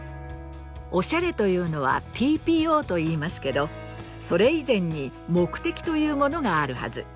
お洒落というのはＴＰＯと言いますけどそれ以前に目的というものがあるはず。